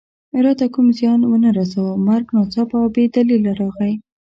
راته کوم زیان و نه رساوه، مرګ ناڅاپه او بې دلیله راغی.